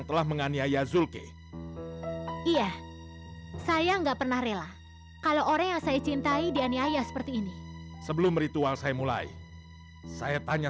sampai jumpa di video selanjutnya